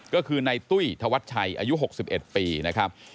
ก็คือนายตุ้ยธวัดชัยอายุหกสิบเอ็ดปีนะครับ